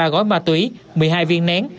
ba gói ma túy một mươi hai viên nén